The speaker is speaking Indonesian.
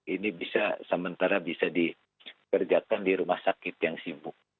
ini bisa sementara bisa dikerjakan di rumah sakit yang sibuk